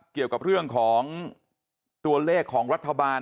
เกี่ยวกับเรื่องของตัวเลขของรัฐบาล